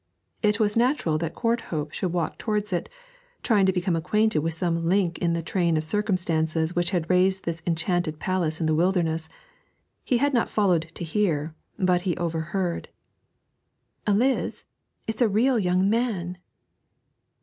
It was natural that Courthope should walk towards it, trying to become acquainted with some link in the train of circumstances which had raised this enchanted palace in the wilderness; he had not followed to hear, but he overheard. 'Eliz, it's a real young man!'